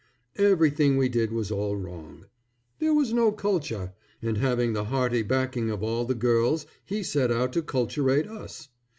Everything we did was all wrong. "There was no culture," and having the hearty backing of all the girls he set out to culturate us.